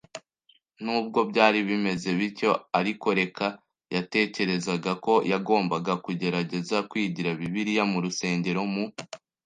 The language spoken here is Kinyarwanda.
Nubwo byari bimeze bityo ariko Rek yatekerezaga ko yagombaga kugerageza kwigira Bibiliya mu rusengero Mu